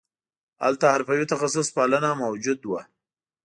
هلته حرفوي تخصص پالنه موجود وو